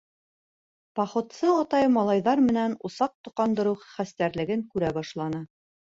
Походсы атай малайҙар менән усаҡ тоҡандырыу хәстәрлеген күрә башланы.